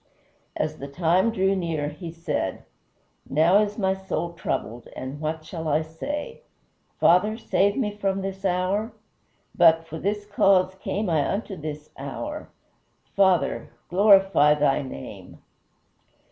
As the time drew near, he said, "Now is my soul troubled, and what shall I say? Father, save me from this hour? But, for this cause came I unto this hour; Father, glorify thy name!"